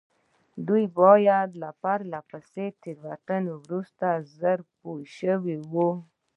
دوی باید له پرله پسې تېروتنو وروسته ژر پوه شوي وای.